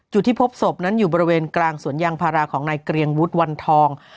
จุดที่พบศพนั้นอยู่บริเวณกลางสวนยางพาราของนายเกรียงวุฒิวันทอง